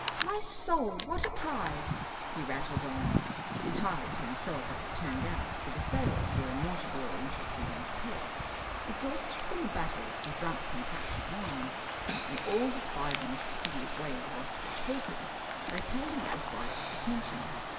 "My soul what a prize!" he rattled on, entirely to himself as it turned out, for the sailors were not at all interested in a pet. Exhausted from the battle or drunk from captured wine, and all despising the fastidious ways of Osterbridge Hawsey, they paid not the slightest attention.